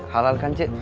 halal kan cek